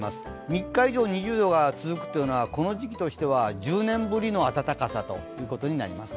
３日以上、２０度が続くというのは、この時期としては１０年ぶりの暖かさになります。